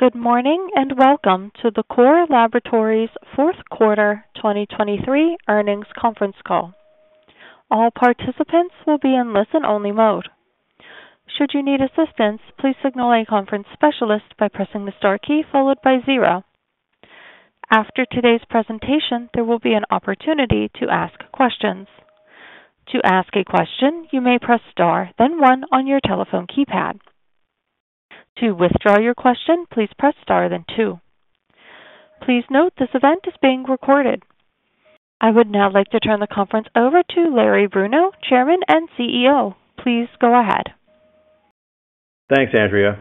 Good morning, and welcome to the Core Laboratories Fourth Quarter 2023 Earnings Conference Call. All participants will be in listen-only mode. Should you need assistance, please signal a conference specialist by pressing the star key followed by zero. After today's presentation, there will be an opportunity to ask questions. To ask a question, you may press Star, then one on your telephone keypad. To withdraw your question, please press Star then two. Please note this event is being recorded. I would now like to turn the conference over to Larry Bruno, Chairman and CEO. Please go ahead. Thanks, Andrea.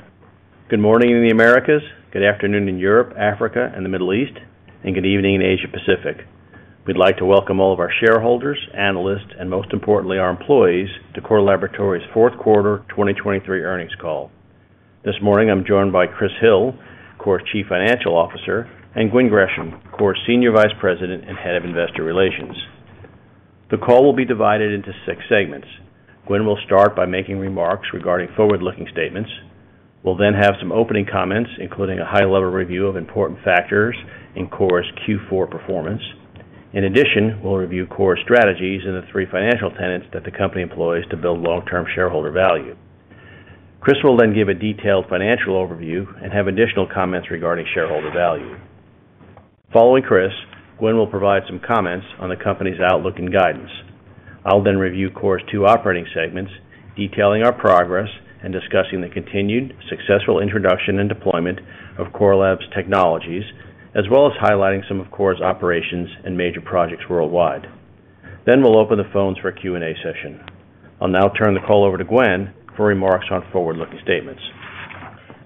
Good morning in the Americas, good afternoon in Europe, Africa, and the Middle East, and good evening in Asia Pacific. We'd like to welcome all of our shareholders, analysts, and most importantly, our employees to Core Laboratories' fourth quarter 2023 earnings call. This morning, I'm joined by Chris Hill, Core's Chief Financial Officer, and Gwen Gresham, Core's Senior Vice President and Head of Investor Relations. The call will be divided into 6 segments. Gwen will start by making remarks regarding forward-looking statements. We'll then have some opening comments, including a high-level review of important factors in Core's Q4 performance. In addition, we'll review Core's strategies and the three financial tenets that the company employs to build long-term shareholder value. Chris will then give a detailed financial overview and have additional comments regarding shareholder value. Following Chris, Gwen will provide some comments on the company's outlook and guidance. I'll then review Core's two operating segments, detailing our progress and discussing the continued successful introduction and deployment of Core Lab's technologies, as well as highlighting some of Core's operations and major projects worldwide. Then we'll open the phones for a Q&A session. I'll now turn the call over to Gwen for remarks on forward-looking statements.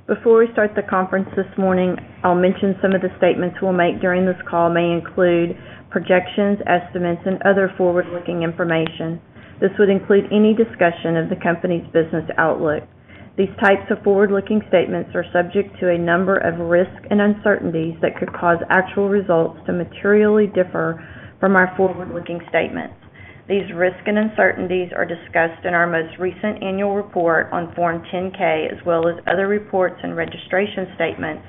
Before we start the conference this morning, I'll mention some of the statements we'll make during this call may include projections, estimates, and other forward-looking information. This would include any discussion of the company's business outlook. These types of forward-looking statements are subject to a number of risks and uncertainties that could cause actual results to materially differ from our forward-looking statements. These risks and uncertainties are discussed in our most recent annual report on Form 10-K, as well as other reports and registration statements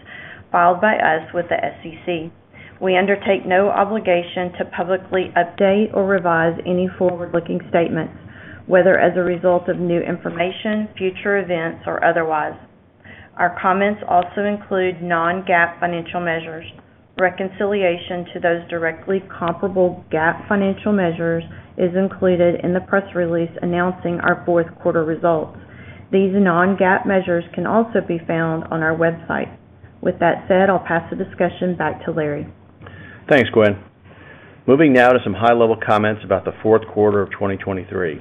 filed by us with the SEC. We undertake no obligation to publicly update or revise any forward-looking statements, whether as a result of new information, future events, or otherwise. Our comments also include non-GAAP financial measures. Reconciliation to those directly comparable GAAP financial measures is included in the press release announcing our fourth quarter results. These non-GAAP measures can also be found on our website. With that said, I'll pass the discussion back to Larry. Thanks, Gwen. Moving now to some high-level comments about the fourth quarter of 2023.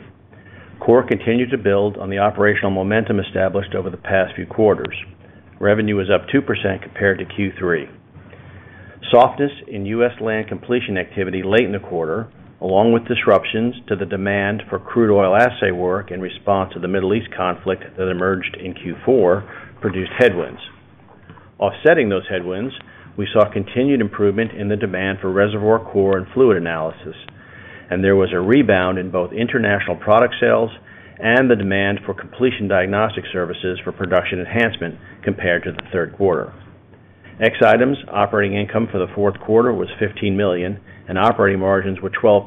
Core continued to build on the operational momentum established over the past few quarters. Revenue was up 2% compared to Q3. Softness in U.S. land completion activity late in the quarter, along with disruptions to the demand for Crude Oil Assay work in response to the Middle East conflict that emerged in Q4, produced headwinds. Offsetting those headwinds, we saw continued improvement in the demand for reservoir, core, and fluid analysis, and there was a rebound in both international product sales and the demand for completion diagnostic services for Production Enhancement compared to the third quarter. Ex items, operating income for the fourth quarter was $15 million, and operating margins were 12%,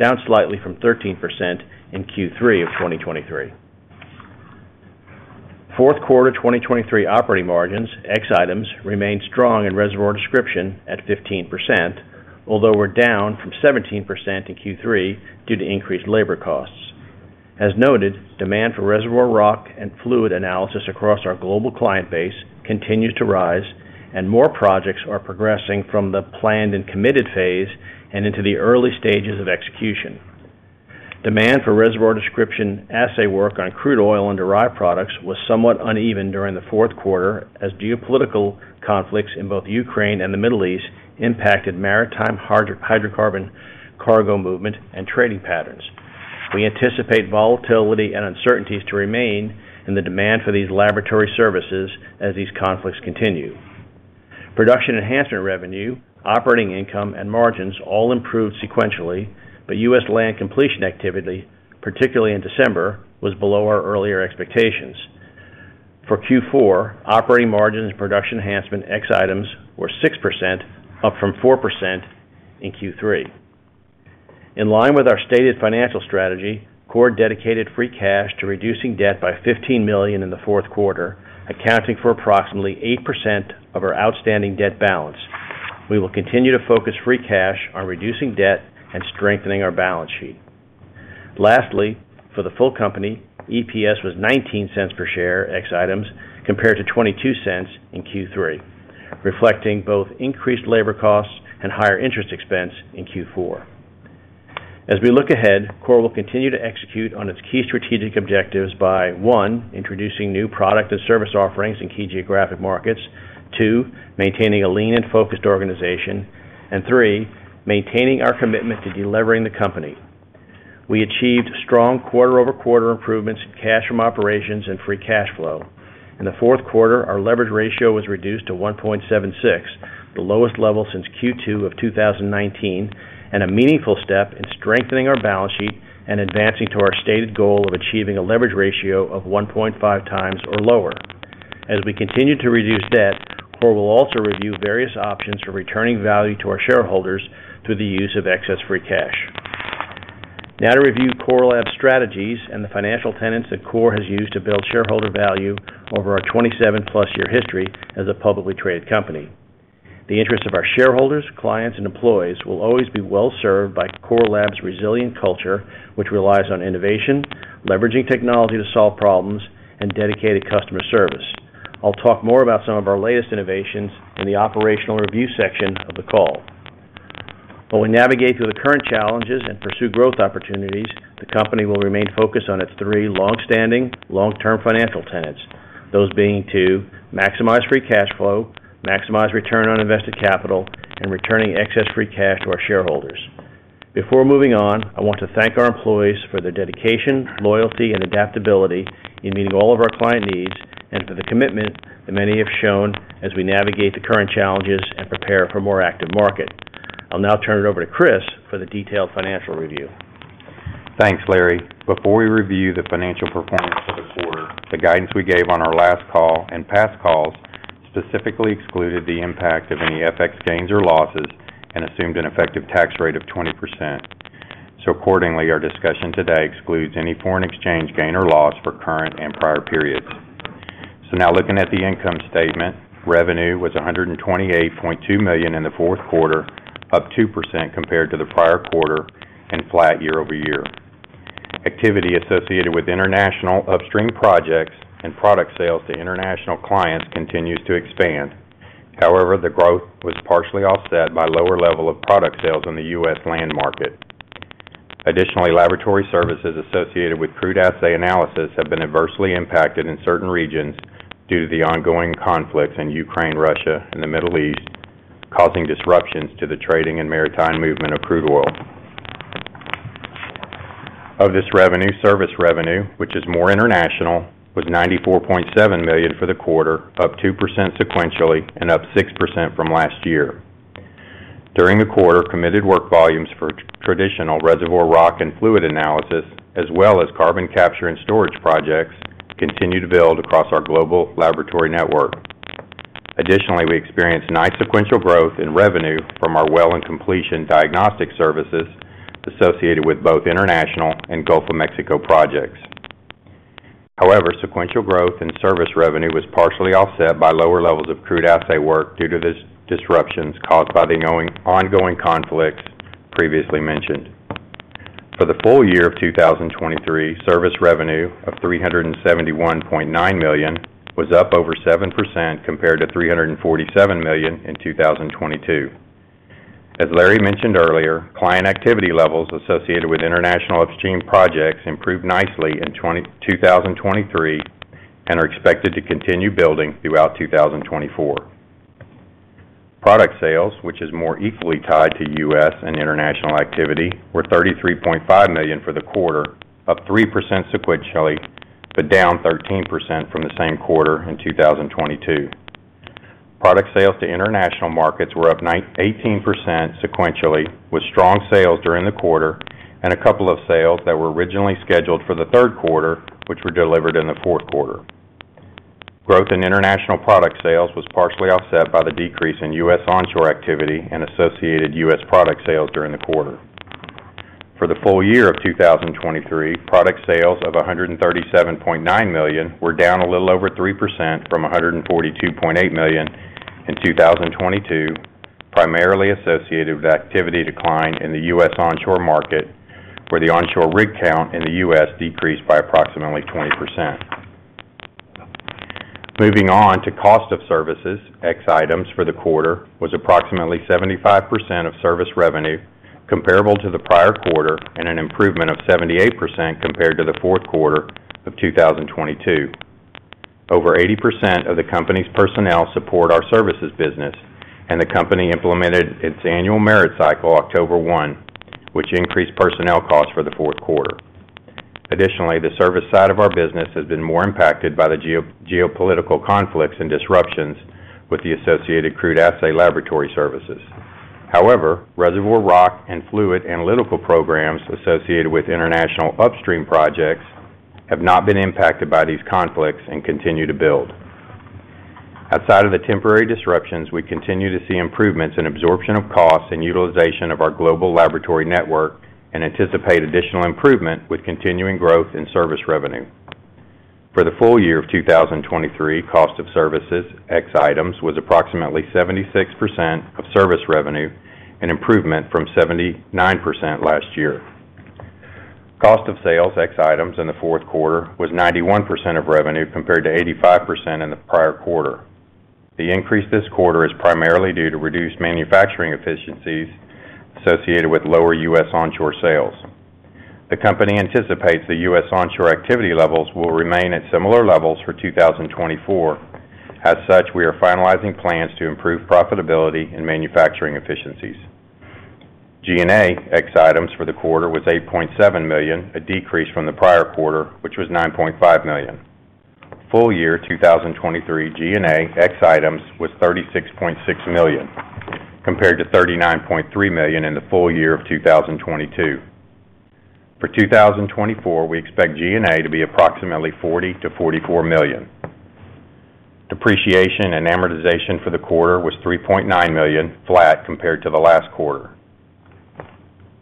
down slightly from 13% in Q3 of 2023. Fourth quarter 2023 operating margins, ex items, remained strong in reservoir description at 15%, although we're down from 17% in Q3 due to increased labor costs. As noted, demand for reservoir rock and fluid analysis across our global client base continues to rise, and more projects are progressing from the planned and committed phase and into the early stages of execution. Demand for reservoir description assay work on crude oil and derived products was somewhat uneven during the fourth quarter, as geopolitical conflicts in both Ukraine and the Middle East impacted maritime hydrocarbon cargo movement and trading patterns. We anticipate volatility and uncertainties to remain in the demand for these laboratory services as these conflicts continue. Production Enhancement revenue, operating income, and margins all improved sequentially, but U.S. land completion activity, particularly in December, was below our earlier expectations. For Q4, operating margins and Production Enhancement ex items were 6%, up from 4% in Q3. In line with our stated financial strategy, Core dedicated free cash to reducing debt by $15 million in the fourth quarter, accounting for approximately 8% of our outstanding debt balance. We will continue to focus free cash on reducing debt and strengthening our balance sheet. Lastly, for the full company, EPS was $0.19 per share, ex items, compared to $0.22 in Q3, reflecting both increased labor costs and higher interest expense in Q4. As we look ahead, Core will continue to execute on its key strategic objectives by, one, introducing new product and service offerings in key geographic markets, two, maintaining a lean and focused organization, and three, maintaining our commitment to delevering the company. We achieved strong quarter-over-quarter improvements in cash from operations and free cash flow. In the fourth quarter, our leverage ratio was reduced to 1.76, the lowest level since Q2 of 2019, and a meaningful step in strengthening our balance sheet and advancing to our stated goal of achieving a leverage ratio of 1.5 times or lower. As we continue to reduce debt, Core will also review various options for returning value to our shareholders through the use of excess free cash. Now to review Core Lab's strategies and the financial tenets that Core has used to build shareholder value over our 27+ year history as a publicly traded company. The interests of our shareholders, clients, and employees will always be well served by Core Lab's resilient culture, which relies on innovation, leveraging technology to solve problems, and dedicated customer service. I'll talk more about some of our latest innovations in the operational review section of the call. While we navigate through the current challenges and pursue growth opportunities, the company will remain focused on its three long-standing, long-term financial tenets. Those being to maximize free cash flow, maximize return on invested capital, and returning excess free cash to our shareholders. Before moving on, I want to thank our employees for their dedication, loyalty, and adaptability in meeting all of our client needs, and for the commitment that many have shown as we navigate the current challenges and prepare for a more active market. I'll now turn it over to Chris for the detailed financial review. Thanks, Larry. Before we review the financial performance of the quarter, the guidance we gave on our last call and past calls specifically excluded the impact of any FX gains or losses and assumed an effective tax rate of 20%. So accordingly, our discussion today excludes any foreign exchange gain or loss for current and prior periods. So now looking at the income statement. Revenue was $128.2 million in the fourth quarter, up 2% compared to the prior quarter and flat year-over-year. Activity associated with international upstream projects and product sales to international clients continues to expand. However, the growth was partially offset by lower level of product sales in the U.S. land market. Additionally, laboratory services associated with crude assay analysis have been adversely impacted in certain regions due to the ongoing conflicts in Ukraine, Russia, and the Middle East, causing disruptions to the trading and maritime movement of crude oil. Of this revenue, service revenue, which is more international, was $94.7 million for the quarter, up 2% sequentially and up 6% from last year. During the quarter, committed work volumes for traditional reservoir rock and fluid analysis, as well as carbon capture and storage projects, continued to build across our global laboratory network. Additionally, we experienced nice sequential growth in revenue from our well and completion diagnostic services associated with both international and Gulf of Mexico projects. However, sequential growth in service revenue was partially offset by lower levels of crude assay work due to this disruptions caused by the ongoing, ongoing conflicts previously mentioned. For the full year of 2023, service revenue of $371.9 million was up over 7% compared to $347 million in 2022. As Larry mentioned earlier, client activity levels associated with international upstream projects improved nicely in 2023, and are expected to continue building throughout 2024. Product sales, which is more equally tied to U.S. and international activity, were $33.5 million for the quarter, up 3% sequentially, but down 13% from the same quarter in 2022. Product sales to international markets were up 9%-18% sequentially, with strong sales during the quarter and a couple of sales that were originally scheduled for the third quarter, which were delivered in the fourth quarter. Growth in international product sales was partially offset by the decrease in U.S. onshore activity and associated U.S. product sales during the quarter. For the full year of 2023, product sales of $137.9 million were down a little over 3% from $142.8 million in 2022, primarily associated with activity decline in the U.S. onshore market, where the onshore rig count in the U.S. decreased by approximately 20%. Moving on to cost of services, ex items for the quarter was approximately 75% of service revenue comparable to the prior quarter and an improvement of 78% compared to the fourth quarter of 2022. Over 80% of the company's personnel support our services business, and the company implemented its annual merit cycle October 1, which increased personnel costs for the fourth quarter. Additionally, the service side of our business has been more impacted by the geopolitical conflicts and disruptions with the associated crude assay laboratory services. However, reservoir rock and fluid analytical programs associated with international upstream projects have not been impacted by these conflicts and continue to build. Outside of the temporary disruptions, we continue to see improvements in absorption of costs and utilization of our global laboratory network, and anticipate additional improvement with continuing growth in service revenue. For the full year of 2023, cost of services, ex items, was approximately 76% of service revenue, an improvement from 79% last year. Cost of sales, ex items, in the fourth quarter was 91% of revenue, compared to 85% in the prior quarter. The increase this quarter is primarily due to reduced manufacturing efficiencies associated with lower U.S. onshore sales. The company anticipates the U.S. onshore activity levels will remain at similar levels for 2024. As such, we are finalizing plans to improve profitability and manufacturing efficiencies.... G&A ex items for the quarter was $8.7 million, a decrease from the prior quarter, which was $9.5 million. Full year 2023 G&A ex items was $36.6 million, compared to $39.3 million in the full year of 2022. For 2024, we expect G&A to be approximately $40 million-$44 million. Depreciation and amortization for the quarter was $3.9 million, flat compared to the last quarter.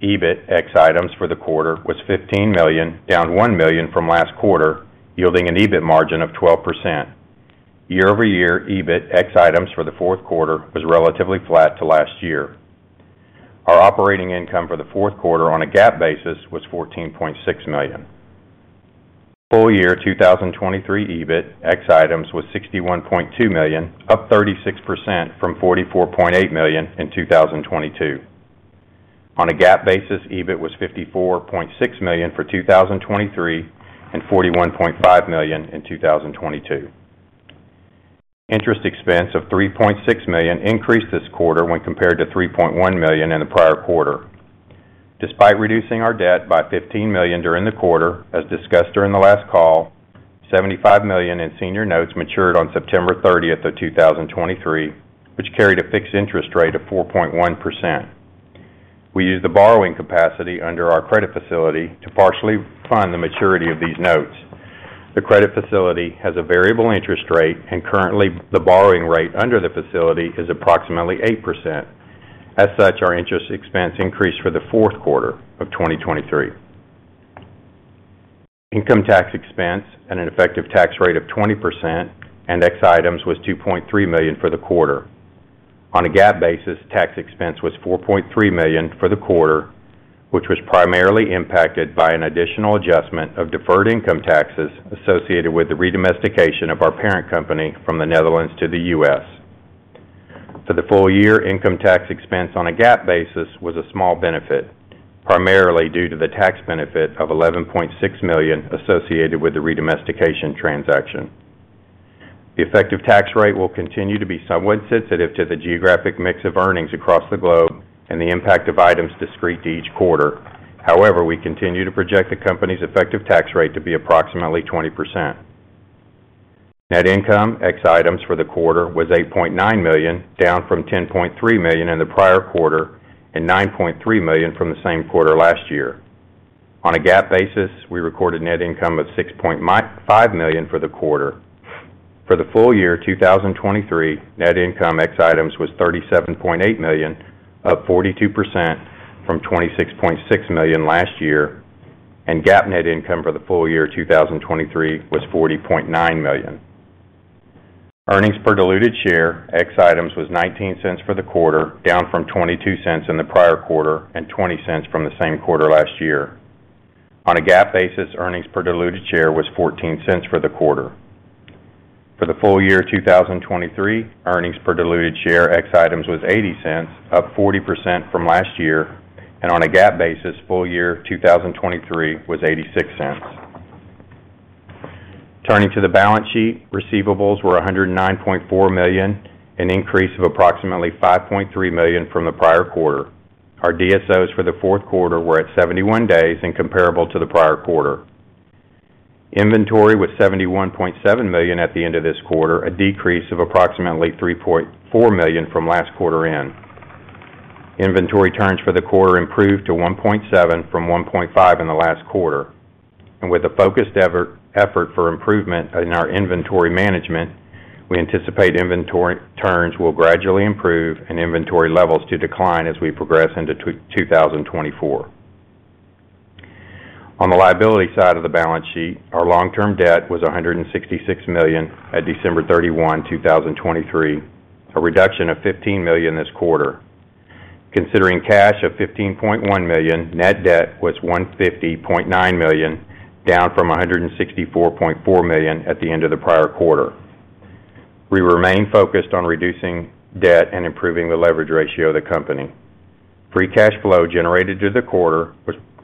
EBIT ex items for the quarter was $15 million, down $1 million from last quarter, yielding an EBIT margin of 12%. Year-over-year, EBIT ex items for the fourth quarter was relatively flat to last year. Our operating income for the fourth quarter on a GAAP basis was $14.6 million. Full year 2023 EBIT ex items was $61.2 million, up 36% from $44.8 million in 2022. On a GAAP basis, EBIT was $54.6 million for 2023, and $41.5 million in 2022. Interest expense of $3.6 million increased this quarter when compared to $3.1 million in the prior quarter. Despite reducing our debt by $15 million during the quarter, as discussed during the last call, $75 million in senior notes matured on September 30th, 2023, which carried a fixed interest rate of 4.1%. We used the borrowing capacity under our credit facility to partially fund the maturity of these notes. The credit facility has a variable interest rate, and currently, the borrowing rate under the facility is approximately 8%. As such, our interest expense increased for the fourth quarter of 2023. Income tax expense at an effective tax rate of 20% and ex items was $2.3 million for the quarter. On a GAAP basis, tax expense was $4.3 million for the quarter, which was primarily impacted by an additional adjustment of deferred income taxes associated with the redomestication of our parent company from the Netherlands to the U.S. For the full year, income tax expense on a GAAP basis was a small benefit, primarily due to the tax benefit of $11.6 million associated with the redomestication transaction. The effective tax rate will continue to be somewhat sensitive to the geographic mix of earnings across the globe and the impact of items discrete to each quarter. However, we continue to project the company's effective tax rate to be approximately 20%. Net income, ex items for the quarter was $8.9 million, down from $10.3 million in the prior quarter and $9.3 million from the same quarter last year. On a GAAP basis, we recorded net income of $6.5 million for the quarter. For the full year 2023, net income ex items was $37.8 million, up 42% from $26.6 million last year, and GAAP net income for the full year 2023 was $40.9 million. Earnings per diluted share, ex items was $0.19 for the quarter, down from $0.22 in the prior quarter and $0.20 from the same quarter last year. On a GAAP basis, earnings per diluted share was $0.14 for the quarter. For the full year 2023, earnings per diluted share, ex items was $0.80, up 40% from last year, and on a GAAP basis, full year 2023 was $0.86. Turning to the balance sheet, receivables were $109.4 million, an increase of approximately $5.3 million from the prior quarter. Our DSOs for the fourth quarter were at 71 days and comparable to the prior quarter. Inventory was $71.7 million at the end of this quarter, a decrease of approximately $3.4 million from last quarter end. Inventory turns for the quarter improved to 1.7 from 1.5 in the last quarter. And with a focused effort for improvement in our inventory management, we anticipate inventory turns will gradually improve and inventory levels to decline as we progress into 2024. On the liability side of the balance sheet, our long-term debt was $166 million at December 31, 2023, a reduction of $15 million this quarter. Considering cash of $15.1 million, net debt was $150.9 million, down from $164.4 million at the end of the prior quarter. We remain focused on reducing debt and improving the leverage ratio of the company. Free cash flow generated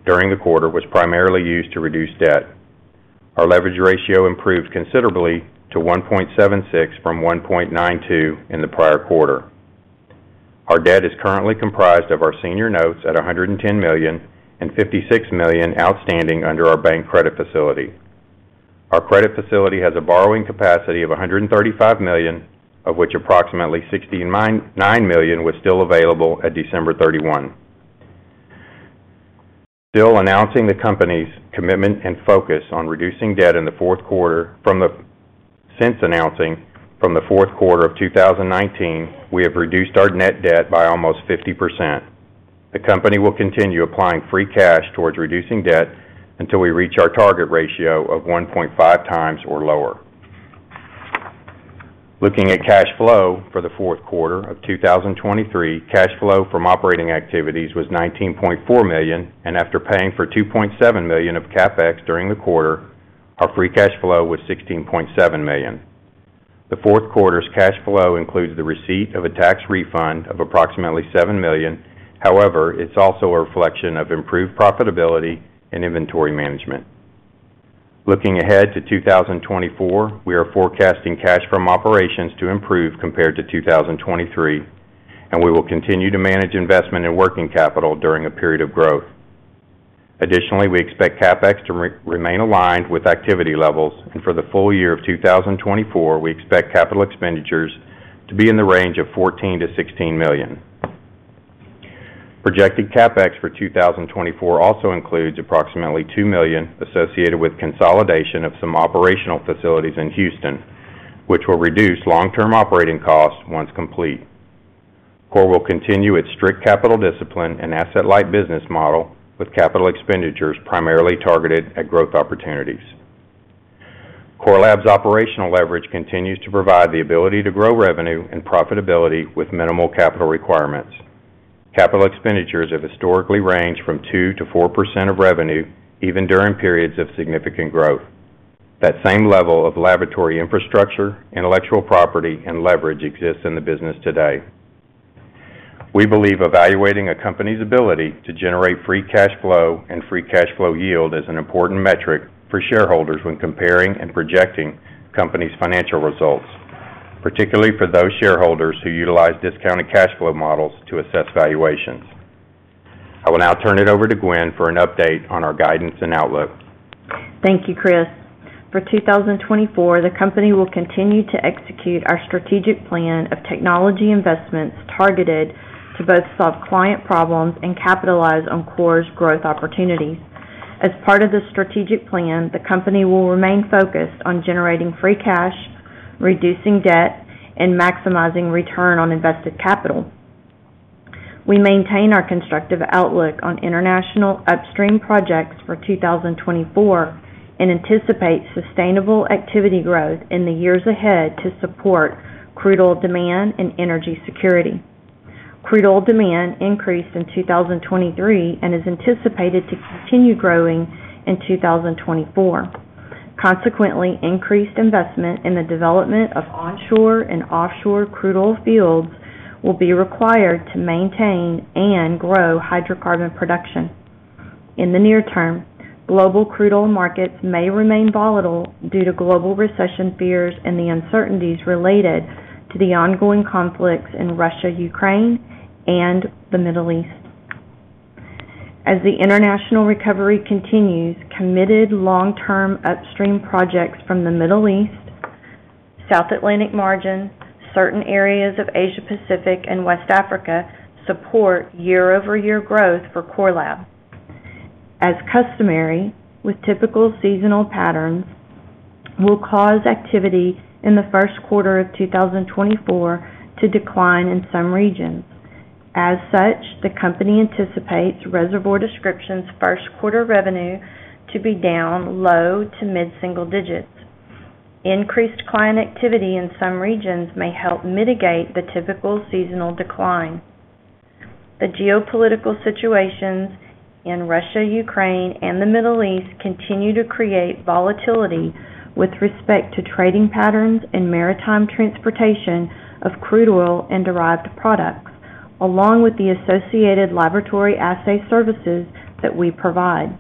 during the quarter was primarily used to reduce debt. Our leverage ratio improved considerably to 1.76 from 1.92 in the prior quarter. Our debt is currently comprised of our senior notes at $110 million and $56 million outstanding under our bank credit facility. Our credit facility has a borrowing capacity of $135 million, of which approximately $69 million was still available at December 31. Still announcing the company's commitment and focus on reducing debt in the fourth quarter from the fourth quarter of 2019, we have reduced our net debt by almost 50%. The company will continue applying free cash towards reducing debt until we reach our target ratio of 1.5 times or lower. Looking at cash flow for the fourth quarter of 2023, cash flow from operating activities was $19.4 million, and after paying for $2.7 million of CapEx during the quarter, our free cash flow was $16.7 million. The fourth quarter's cash flow includes the receipt of a tax refund of approximately $7 million. However, it's also a reflection of improved profitability and inventory management.... Looking ahead to 2024, we are forecasting cash from operations to improve compared to 2023, and we will continue to manage investment in working capital during a period of growth. Additionally, we expect CapEx to remain aligned with activity levels, and for the full year of 2024, we expect capital expenditures to be in the range of $14 million-$16 million. Projected CapEx for 2024 also includes approximately $2 million associated with consolidation of some operational facilities in Houston, which will reduce long-term operating costs once complete. Core will continue its strict capital discipline and asset-light business model, with capital expenditures primarily targeted at growth opportunities. Core Lab's operational leverage continues to provide the ability to grow revenue and profitability with minimal capital requirements. Capital expenditures have historically ranged from 2%-4% of revenue, even during periods of significant growth. That same level of laboratory infrastructure, intellectual property, and leverage exists in the business today. We believe evaluating a company's ability to generate free cash flow and free cash flow yield is an important metric for shareholders when comparing and projecting company's financial results, particularly for those shareholders who utilize discounted cash flow models to assess valuations. I will now turn it over to Gwen for an update on our guidance and outlook. Thank you, Chris. For 2024, the company will continue to execute our strategic plan of technology investments targeted to both solve client problems and capitalize on Core's growth opportunities. As part of the strategic plan, the company will remain focused on generating free cash, reducing debt, and maximizing return on invested capital. We maintain our constructive outlook on international upstream projects for 2024 and anticipate sustainable activity growth in the years ahead to support crude oil demand and energy security. Crude oil demand increased in 2023 and is anticipated to continue growing in 2024. Consequently, increased investment in the development of onshore and offshore crude oil fields will be required to maintain and grow hydrocarbon production. In the near term, global crude oil markets may remain volatile due to global recession fears and the uncertainties related to the ongoing conflicts in Russia, Ukraine, and the Middle East. As the international recovery continues, committed long-term upstream projects from the Middle East, South Atlantic margin, certain areas of Asia Pacific, and West Africa, support year-over-year growth for Core Lab. As customary, with typical seasonal patterns, will cause activity in the first quarter of 2024 to decline in some regions. As such, the company anticipates Reservoir Description's first quarter revenue to be down low to mid-single digits. Increased client activity in some regions may help mitigate the typical seasonal decline. The geopolitical situations in Russia, Ukraine, and the Middle East continue to create volatility with respect to trading patterns and maritime transportation of crude oil and derived products, along with the associated laboratory assay services that we provide.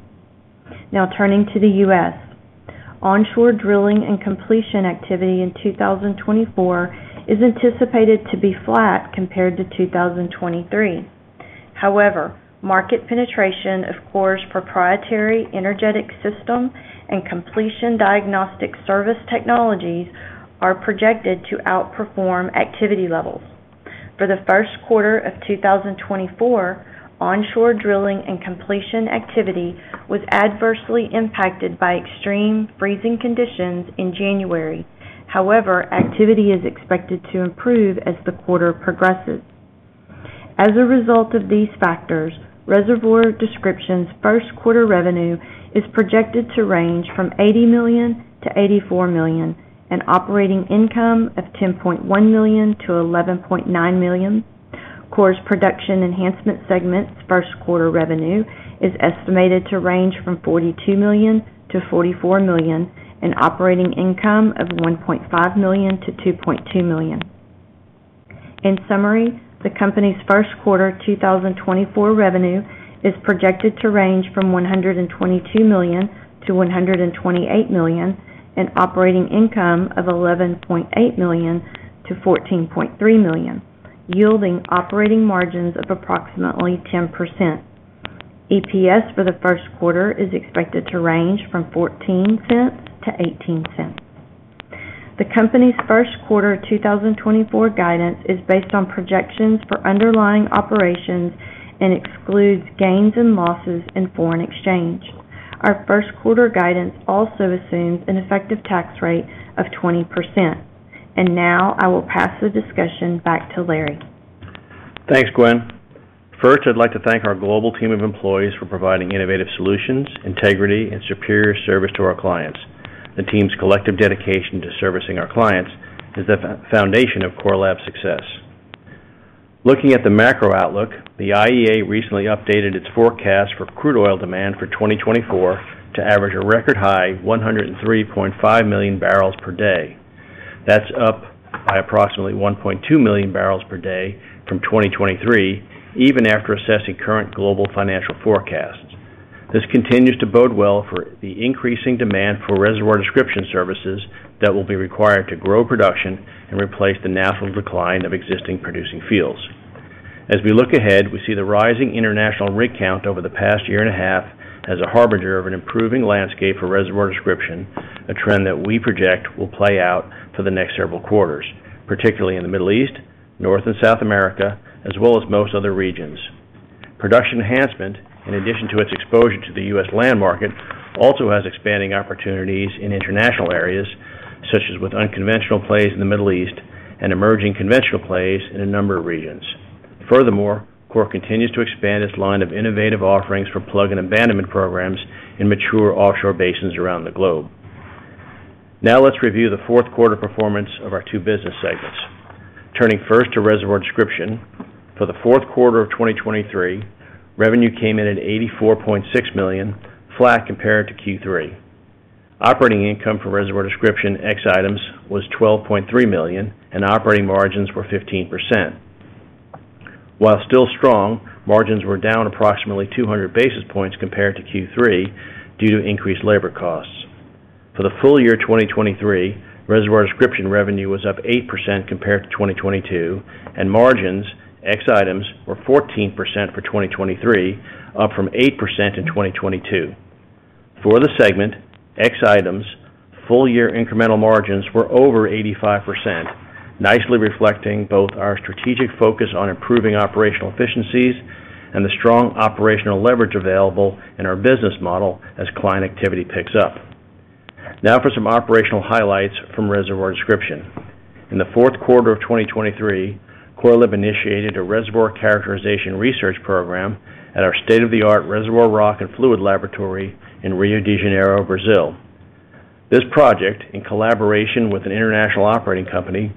Now, turning to the U.S. Onshore drilling and completion activity in 2024 is anticipated to be flat compared to 2023. However, market penetration, of Core's proprietary energetic system and completion diagnostic service technologies, are projected to outperform activity levels. For the first quarter of 2024, onshore drilling and completion activity was adversely impacted by extreme freezing conditions in January. However, activity is expected to improve as the quarter progresses. As a result of these factors, Reservoir Description's first quarter revenue is projected to range from $80 million-$84 million, and operating income of $10.1 million-$11.9 million. Core's Production Enhancement segment's first quarter revenue is estimated to range from $42 million-$44 million, and operating income of $1.5 million-$2.2 million. In summary, the company's first quarter 2024 revenue is projected to range from $122 million-$128 million, and operating income of $11.8 million-$14.3 million, yielding operating margins of approximately 10%. EPS for the first quarter is expected to range from $0.14-$0.18. The company's first quarter 2024 guidance is based on projections for underlying operations and excludes gains and losses in foreign exchange. Our first quarter guidance also assumes an effective tax rate of 20%. And now, I will pass the discussion back to Larry. Thanks, Gwen. First, I'd like to thank our global team of employees for providing innovative solutions, integrity, and superior service to our clients. The team's collective dedication to servicing our clients is the foundation of Core Lab's success. Looking at the macro outlook, the IEA recently updated its forecast for crude oil demand for 2024 to average a record high 103.5 million barrels per day. That's up by approximately 1.2 million barrels per day from 2023, even after assessing current global financial forecasts. This continues to bode well for the increasing demand for reservoir description services that will be required to grow production and replace the natural decline of existing producing fields. As we look ahead, we see the rising international rig count over the past year and a half as a harbinger of an improving landscape for reservoir description, a trend that we project will play out for the next several quarters, particularly in the Middle East, North and South America, as well as most other regions. Production Enhancement, in addition to its exposure to the U.S. land market, also has expanding opportunities in international areas, such as with unconventional plays in the Middle East and emerging conventional plays in a number of regions. Furthermore, Core continues to expand its line of innovative offerings for plug-in abandonment programs in mature offshore basins around the globe. Now let's review the fourth quarter performance of our two business segments. Turning first to Reservoir Description. For the fourth quarter of 2023, revenue came in at $84.6 million, flat compared to Q3. Operating income for Reservoir Description, ex items, was $12.3 million, and operating margins were 15%. While still strong, margins were down approximately 200 basis points compared to Q3 due to increased labor costs. For the full year 2023, Reservoir Description revenue was up 8% compared to 2022, and margins, ex items, were 14% for 2023, up from 8% in 2022. For the segment, ex items, full year incremental margins were over 85%, nicely reflecting both our strategic focus on improving operational efficiencies and the strong operational leverage available in our business model as client activity picks up. Now for some operational highlights from reservoir description. In the fourth quarter of 2023, Core Lab initiated a reservoir characterization research program at our state-of-the-art reservoir rock and fluid laboratory in Rio de Janeiro, Brazil. This project, in collaboration with an international operating company,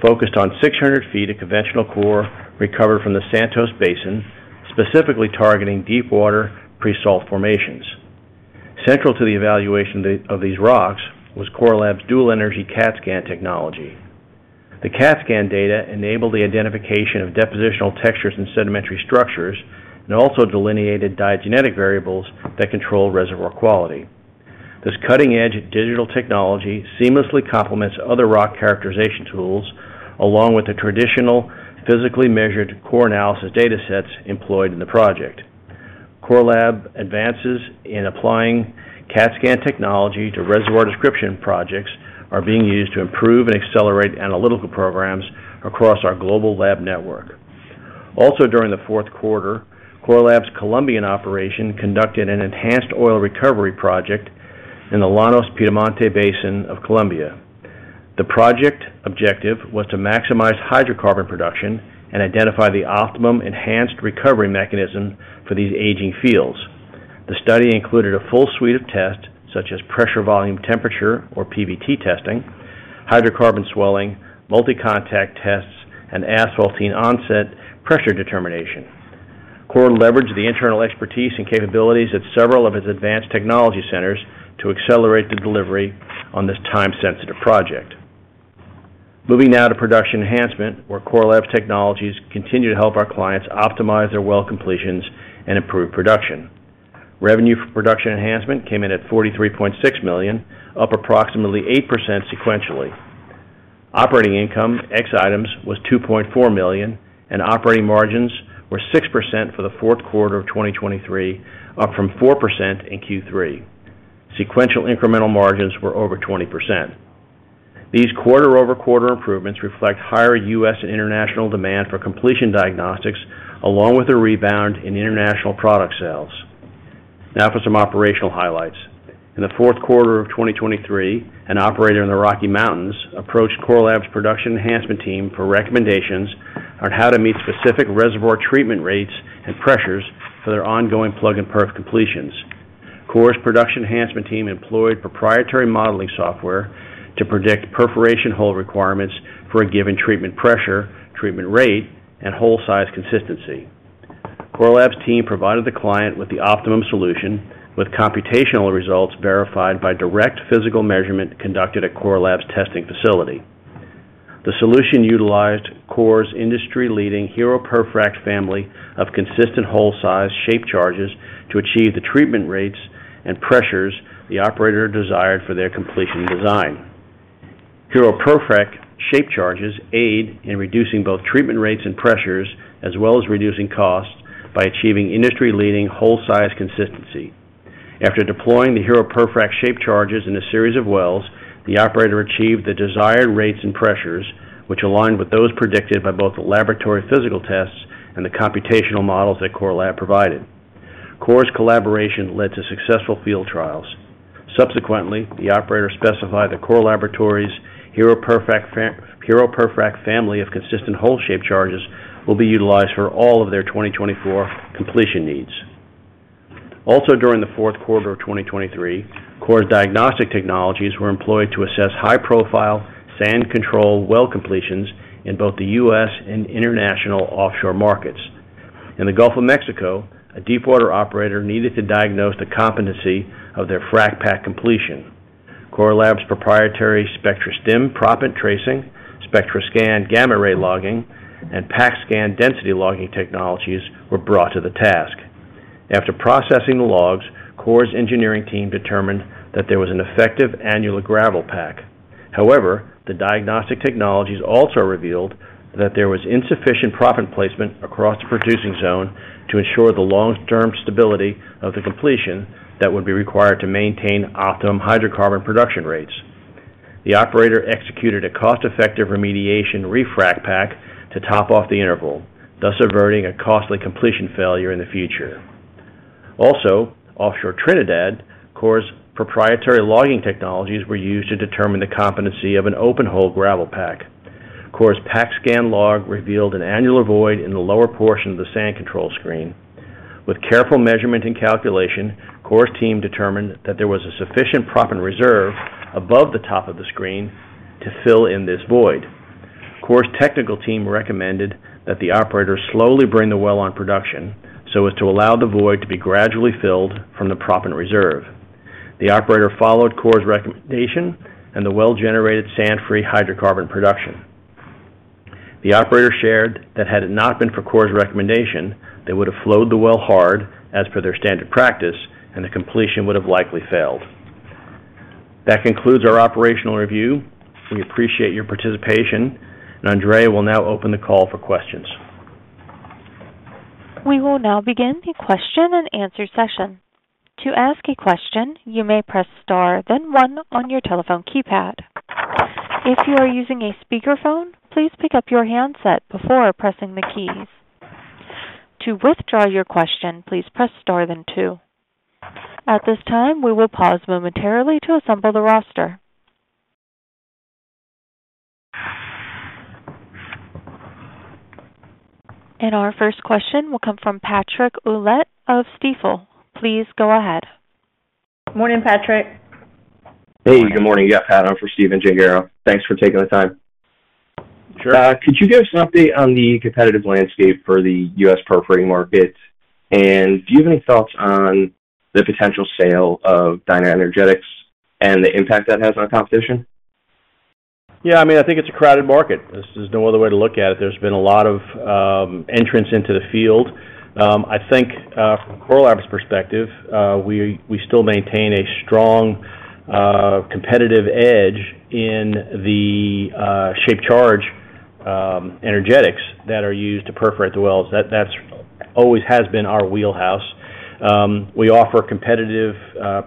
focused on 600 feet of conventional core recovered from the Santos Basin, specifically targeting deepwater pre-salt formations. Central to the evaluation of these rocks was Core Lab's Dual Energy CAT scan technology. The CAT scan data enabled the identification of depositional textures and sedimentary structures, and also delineated diagenetic variables that control reservoir quality. This cutting-edge digital technology seamlessly complements other rock characterization tools, along with the traditional, physically measured core analysis datasets employed in the project. Core Lab advances in applying CAT scan technology to reservoir description projects are being used to improve and accelerate analytical programs across our global lab network. Also, during the fourth quarter, Core Lab's Colombian operation conducted an enhanced oil recovery project in the Llanos Piedemonte Basin of Colombia. The project objective was to maximize hydrocarbon production and identify the optimum enhanced recovery mechanism for these aging fields. The study included a full suite of tests, such as pressure, volume, temperature, or PVT testing, hydrocarbon swelling, multi-contact tests, and asphaltene onset pressure determination. Core leveraged the internal expertise and capabilities of several of its advanced technology centers to accelerate the delivery on this time-sensitive project. Moving now to Production Enhancement, where Core Lab technologies continue to help our clients optimize their well completions and improve production. Revenue for Production Enhancement came in at $43.6 million, up approximately 8% sequentially. Operating income, ex items, was $2.4 million, and operating margins were 6% for the fourth quarter of 2023, up from 4% in Q3. Sequential incremental margins were over 20%. These quarter-over-quarter improvements reflect higher U.S. and international demand for completion diagnostics, along with a rebound in international product sales. Now for some operational highlights. In the fourth quarter of 2023, an operator in the Rocky Mountains approached Core Lab's Production Enhancement team for recommendations on how to meet specific reservoir treatment rates and pressures for their ongoing plug and perf completions. Core's Production Enhancement team employed proprietary modeling software to predict perforation hole requirements for a given treatment pressure, treatment rate, and hole size consistency. Core Lab's team provided the client with the optimum solution, with computational results verified by direct physical measurement conducted at Core Lab's testing facility. The solution utilized Core's industry-leading HERO PerFRAC family of consistent hole size shape charges to achieve the treatment rates and pressures the operator desired for their completion design. HERO PerFRAC shape charges aid in reducing both treatment rates and pressures, as well as reducing costs, by achieving industry-leading hole size consistency. After deploying the HERO PerFRAC shape charges in a series of wells, the operator achieved the desired rates and pressures, which aligned with those predicted by both the laboratory physical tests and the computational models that Core Lab provided. Core's collaboration led to successful field trials. Subsequently, the operator specified that Core Laboratories' HERO PerFRAC family of consistent hole shape charges will be utilized for all of their 2024 completion needs. Also, during the fourth quarter of 2023, Core's diagnostic technologies were employed to assess high-profile sand control well completions in both the U.S. and international offshore markets. In the Gulf of Mexico, a deepwater operator needed to diagnose the competency of their frac pack completion. Core Lab's proprietary SPECTRASTIM, proppant tracing, SPECTRASCAN, gamma ray logging, and PACKSCAN density logging technologies were brought to the task. After processing the logs, Core's engineering team determined that there was an effective annular gravel pack. However, the diagnostic technologies also revealed that there was insufficient proppant placement across the producing zone to ensure the long-term stability of the completion that would be required to maintain optimum hydrocarbon production rates. The operator executed a cost-effective remediation refrac pack to top off the interval, thus averting a costly completion failure in the future. Also, offshore Trinidad, Core's proprietary logging technologies were used to determine the competency of an open hole gravel pack. Core's PACKSCAN log revealed an annular void in the lower portion of the sand control screen. With careful measurement and calculation, Core's team determined that there was a sufficient proppant reserve above the top of the screen to fill in this void. Core's technical team recommended that the operator slowly bring the well on production, so as to allow the void to be gradually filled from the proppant reserve. The operator followed Core's recommendation, and the well generated sand-free hydrocarbon production. The operator shared that had it not been for Core's recommendation, they would have flowed the well hard as per their standard practice, and the completion would have likely failed. That concludes our operational review. We appreciate your participation, and Andrea will now open the call for questions. We will now begin the question and answer session. To ask a question, you may press Star, then one on your telephone keypad. If you are using a speakerphone, please pick up your handset before pressing the keys. To withdraw your question, please press Star then two. At this time, we will pause momentarily to assemble the roster. Our first question will come from Patrick Ouellette of Stifel. Please go ahead. Morning, Patrick. Hey, good morning. Yeah, Pat, I'm on for Stephen Gengaro. Thanks for taking the time. Sure. Could you give us an update on the competitive landscape for the U.S. perforating market? And do you have any thoughts on the potential sale of DynaEnergetics and the impact that has on our competition? Yeah, I mean, I think it's a crowded market. There's no other way to look at it. There's been a lot of entrants into the field. I think from Core Lab's perspective, we still maintain a strong competitive edge in the shaped charge energetics that are used to perforate the wells. That's always has been our wheelhouse. We offer competitive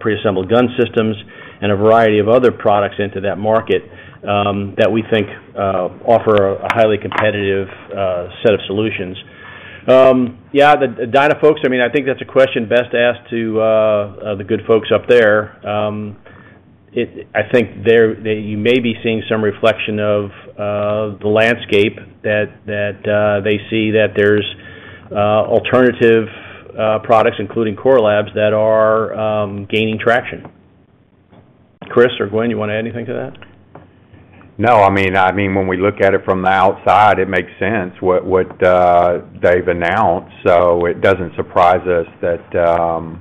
preassembled gun systems and a variety of other products into that market that we think offer a highly competitive set of solutions. Yeah, the Dyna folks, I mean, I think that's a question best asked to the good folks up there. I think you may be seeing some reflection of the landscape that they see that there's alternative products, including Core Labs, that are gaining traction. Chris or Gwen, you want to add anything to that? No, I mean, when we look at it from the outside, it makes sense what they've announced. So it doesn't surprise us that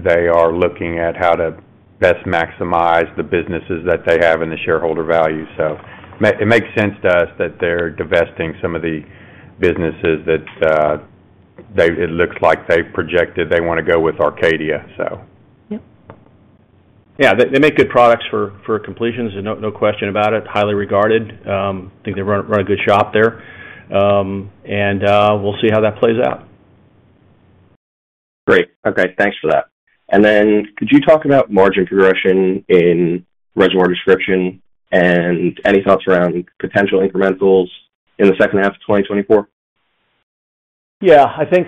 they are looking at how to best maximize the businesses that they have in the shareholder value. So it makes sense to us that they're divesting some of the businesses that it looks like they've projected they wanna go with Arcadia, so. Yep. Yeah, they, they make good products for, for completions, and no, no question about it. Highly regarded. I think they run a, run a good shop there. And we'll see how that plays out. Great. Okay, thanks for that. And then could you talk about margin progression in Reservoir Description and any thoughts around potential incrementals in the second half of 2024? Yeah, I think,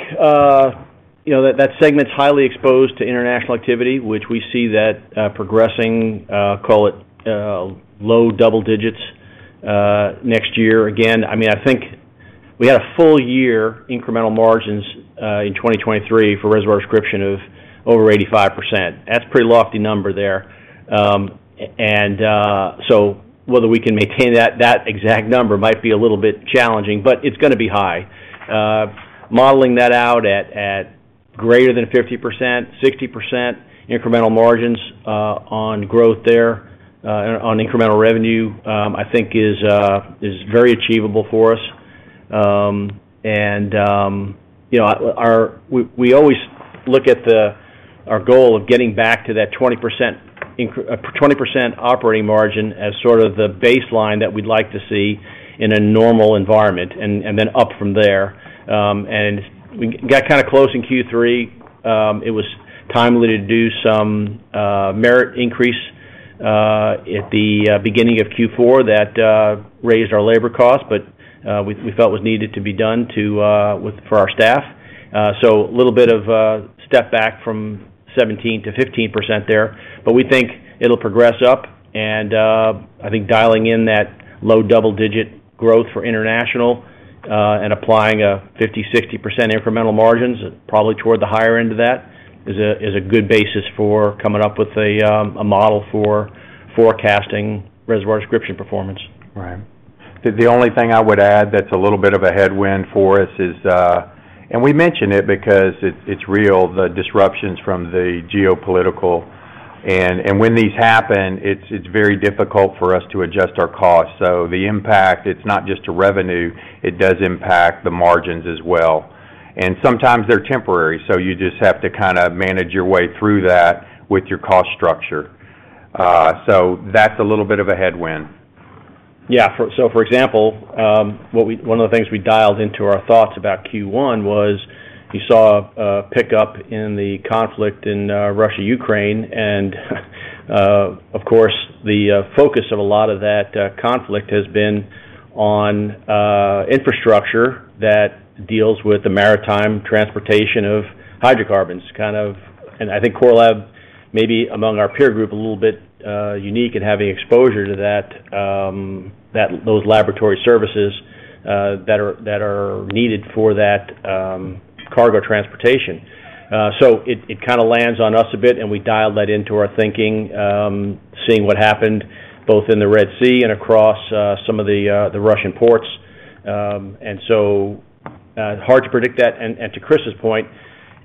you know, that segment's highly exposed to international activity, which we see that progressing, call it, low double digits next year. Again, I mean, I think we had a full year incremental margins in 2023 for reservoir description of over 85%. That's a pretty lofty number there. And so whether we can maintain that exact number might be a little bit challenging, but it's gonna be high. Modeling that out at greater than 50%, 60% incremental margins on growth there on incremental revenue, I think is very achievable for us. You know, we always look at our goal of getting back to that 20% operating margin as sort of the baseline that we'd like to see in a normal environment, and then up from there. We got kinda close in Q3. It was timely to do some merit increase at the beginning of Q4. That raised our labor cost, but we felt was needed to be done to, with, for our staff. So a little bit of a step back from 17% to 15% there, but we think it'll progress up, and I think dialing in that low double-digit growth for international, and applying a 50%-60% incremental margins, probably toward the higher end of that, is a, is a good basis for coming up with a, a model for forecasting reservoir description performance. Right. The only thing I would add that's a little bit of a headwind for us is, and we mention it because it's real, the disruptions from the geopolitical. And when these happen, it's very difficult for us to adjust our costs. So the impact, it's not just to revenue, it does impact the margins as well. And sometimes they're temporary, so you just have to kinda manage your way through that with your cost structure. So that's a little bit of a headwind. Yeah. For example, one of the things we dialed into our thoughts about Q1 was, you saw a pickup in the conflict in Russia, Ukraine, and of course, the focus of a lot of that conflict has been on infrastructure that deals with the maritime transportation of hydrocarbons. And I think Core Lab may be, among our peer group, a little bit unique in having exposure to that, those laboratory services that are needed for that cargo transportation. So it kinda lands on us a bit, and we dialed that into our thinking, seeing what happened both in the Red Sea and across some of the Russian ports. And so hard to predict that. To Chris's point,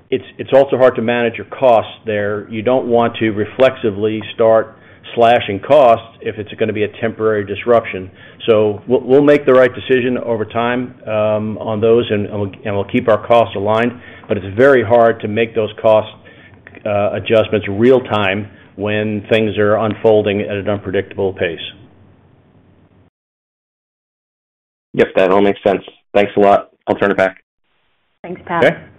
it's also hard to manage your costs there. You don't want to reflexively start slashing costs if it's gonna be a temporary disruption. So we'll make the right decision over time on those, and we'll keep our costs aligned, but it's very hard to make those cost adjustments real time when things are unfolding at an unpredictable pace. Yes, that all makes sense. Thanks a lot. I'll turn it back. Thanks, Pat.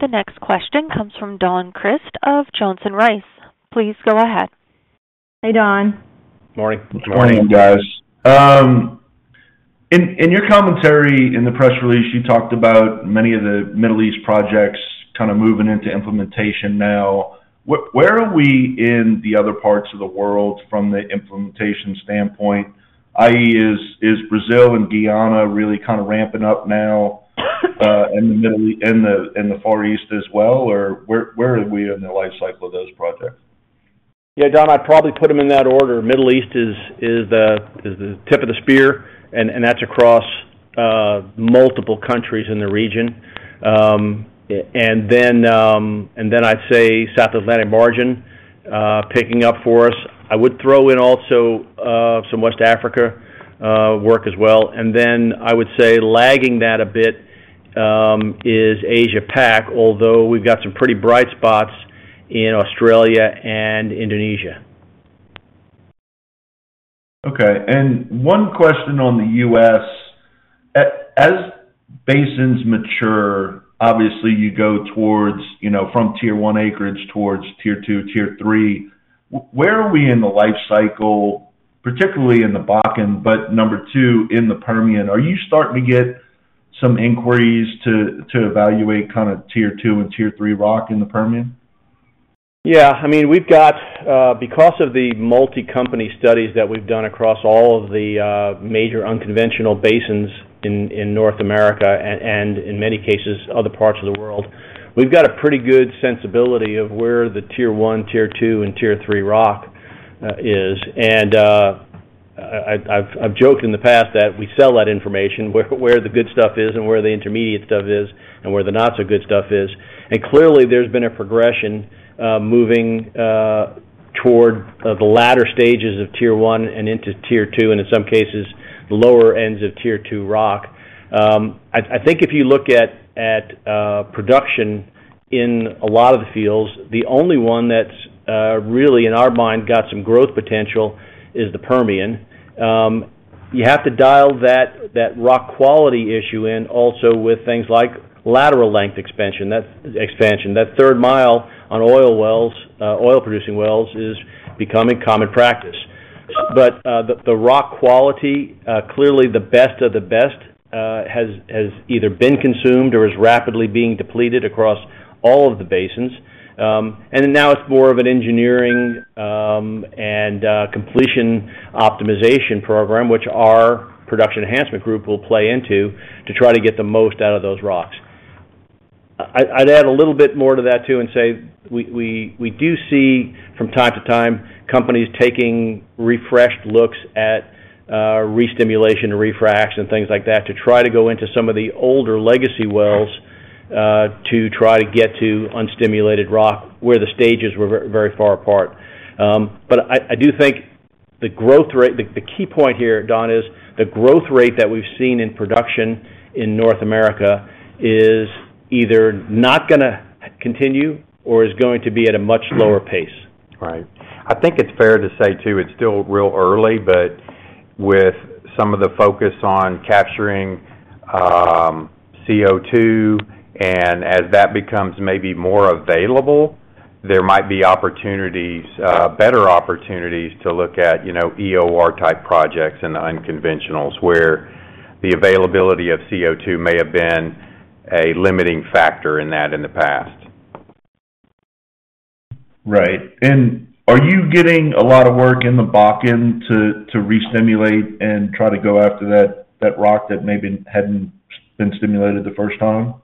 Okay. Thanks, Pat. The next question comes from Don Crist of Johnson Rice. Please go ahead. Hey, Don. Morning. Morning. Morning, guys. In your commentary in the press release, you talked about many of the Middle East projects kinda moving into implementation now. Where are we in the other parts of the world from the implementation standpoint? i.e., is Brazil and Guyana really kinda ramping up now, in the Far East as well, or where are we in the life cycle of those projects? Yeah, Don, I'd probably put them in that order. Middle East is the tip of the spear, and that's across multiple countries in the region. And then I'd say South Atlantic margin picking up for us. I would throw in also some West Africa work as well. And then I would say lagging that a bit is Asia Pac, although we've got some pretty bright spots in Australia and Indonesia. Okay. One question on the U.S. As basins mature, obviously, you go towards, you know, from tier one acreage towards tier two, tier three. Where are we in the life cycle, particularly in the Bakken, but number two, in the Permian? Are you starting to get some inquiries to evaluate kinda tier two and tier three rock in the Permian? Yeah, I mean, we've got... Because of the multi-company studies that we've done across all of the major unconventional basins in North America, and in many cases, other parts of the world, we've got a pretty good sensibility of where the tier one, tier two, and tier three rock is. And I've joked in the past that we sell that information, where the good stuff is, and where the intermediate stuff is, and where the not-so-good stuff is. And clearly, there's been a progression moving toward the latter stages of tier one and into tier two, and in some cases, the lower ends of tier two rock. I think if you look at production in a lot of the fields, the only one that's really, in our mind, got some growth potential is the Permian. You have to dial that rock quality issue in also with things like lateral length expansion, that expansion. That third mile on oil wells, oil-producing wells, is becoming common practice. But the rock quality clearly the best of the best has either been consumed or is rapidly being depleted across all of the basins. And now it's more of an engineering and completion optimization program, which our Production Enhancement group will play into to try to get the most out of those rocks. I'd add a little bit more to that, too, and say we do see from time to time, companies taking refreshed looks at, restimulation and refracs and things like that, to try to go into some of the older legacy wells, to try to get to unstimulated rock, where the stages were very far apart. But I do think the growth rate, the key point here, Don, is the growth rate that we've seen in production in North America is either not gonna continue or is going to be at a much lower pace. Right. I think it's fair to say, too, it's still real early, but with some of the focus on capturing CO2, and as that becomes maybe more available, there might be opportunities, better opportunities to look at, you know, EOR-type projects in the unconventionals, where the availability of CO2 may have been a limiting factor in that in the past. Right. And are you getting a lot of work in the Bakken to restimulate and try to go after that rock that maybe hadn't been stimulated the first time?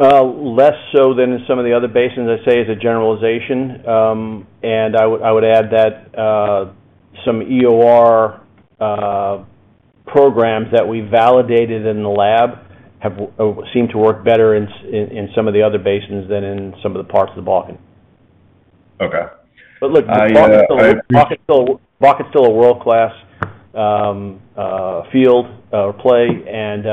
Less so than in some of the other basins, I'd say, is a generalization. And I would add that some EOR programs that we validated in the lab have seem to work better in some of the other basins than in some of the parts of the Bakken. Okay. I But look, Bakken's still a world-class field, play, and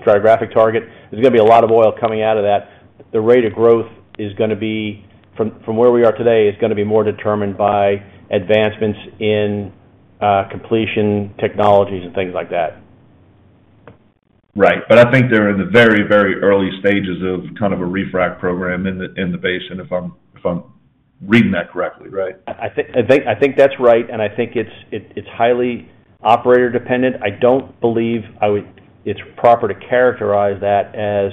stratigraphic target. There's gonna be a lot of oil coming out of that. The rate of growth is gonna be, from where we are today, more determined by advancements in completion technologies and things like that. Right. But I think they're in the very, very early stages of kind of a refrac program in the basin, if I'm reading that correctly, right? I think that's right, and I think it's highly operator-dependent. I don't believe I would. It's proper to characterize that as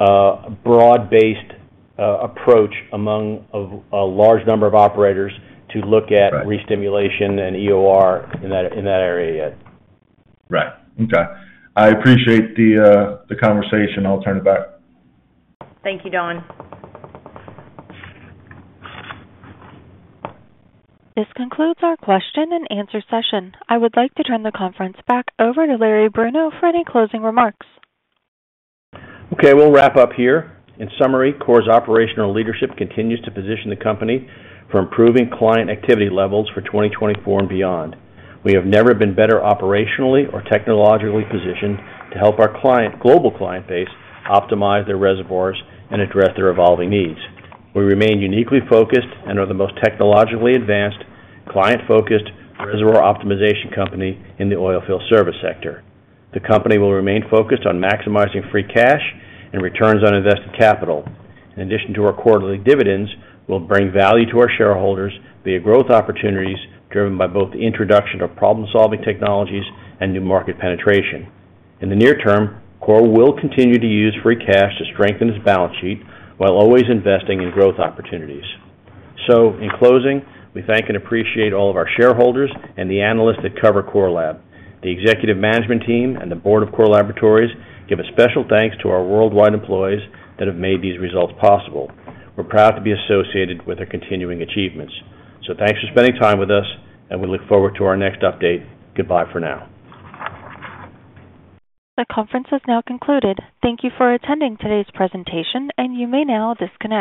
a broad-based approach among a large number of operators to look at- Right... restimulation and EOR in that area yet. Right. Okay. I appreciate the conversation. I'll turn it back. Thank you, Don. This concludes our question and answer session. I would like to turn the conference back over to Larry Bruno for any closing remarks. Okay, we'll wrap up here. In summary, Core's operational leadership continues to position the company for improving client activity levels for 2024 and beyond. We have never been better operationally or technologically positioned to help our client, global client base, optimize their reservoirs and address their evolving needs. We remain uniquely focused and are the most technologically advanced, client-focused, reservoir optimization company in the oilfield service sector. The company will remain focused on maximizing free cash and returns on invested capital. In addition to our quarterly dividends, we'll bring value to our shareholders via growth opportunities, driven by both the introduction of problem-solving technologies and new market penetration. In the near term, Core will continue to use free cash to strengthen its balance sheet, while always investing in growth opportunities. In closing, we thank and appreciate all of our shareholders and the analysts that cover Core Lab. The executive management team and the board of Core Laboratories give a special thanks to our worldwide employees that have made these results possible. We're proud to be associated with their continuing achievements. So thanks for spending time with us, and we look forward to our next update. Goodbye for now. The conference has now concluded. Thank you for attending today's presentation, and you may now disconnect.